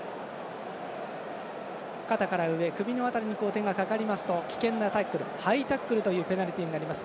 肩から上、首の辺りに手がかかりますと危険なタックルハイタックルというペナルティになります。